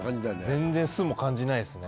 全然酢も感じないですね